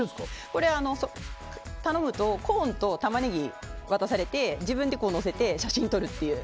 これ、頼むとコーンとタマネギを渡されて自分でのせて、写真を撮るという。